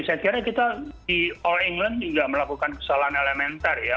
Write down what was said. saya kira kita di all england juga melakukan kesalahan elementer ya